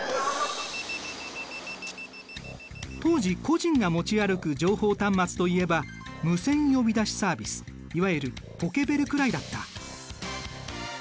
当時個人が持ち歩く情報端末といえばいわゆるポケベルくらいだった。